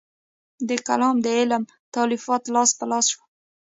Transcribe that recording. د کلام د علم تالیفات لاس په لاس شول.